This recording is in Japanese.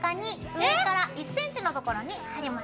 上から１ｃｍの所に貼ります。